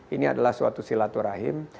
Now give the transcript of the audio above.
ini adalah suatu silaturahim